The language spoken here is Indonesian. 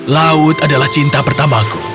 laut adalah cinta pertamaku